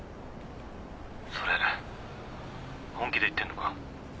それ本気で言ってんのか？